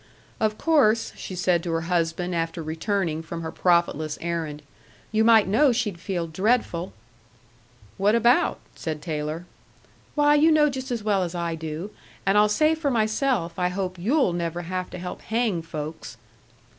"Of course," she said to her husband, after returning from her profitless errand, "you might know she'd feel dreadful. "What about?" said Taylor. "Why, you know just as well as I do. And I'll say for myself, I hope you'll never have to help hang folks."